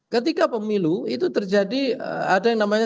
ketika pemilu itu terjadi ada yang namanya